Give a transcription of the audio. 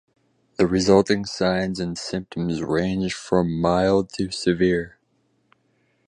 The resulting signs and symptoms range from mild to severe.